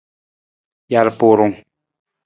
Jalpurung.